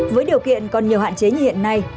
với điều kiện còn nhiều hạn chế như hiện nay